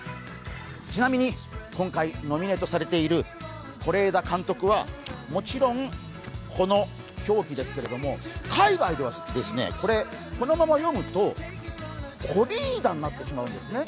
ちなみに今回、ノミネートされている是枝監督はもちろん、この表記ですけれども、海外ではこれ、このまま読むとコリーダになってしまうんですね。